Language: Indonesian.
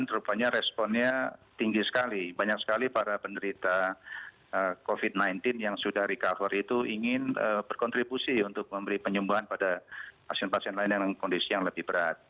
dan terupanya responnya tinggi sekali banyak sekali para penderita covid sembilan belas yang sudah recover itu ingin berkontribusi untuk memberi penyembuhan pada pasien pasien lain yang kondisi yang lebih berat